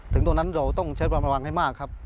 ตรงนั้นเราต้องใช้ความระวังให้มากครับ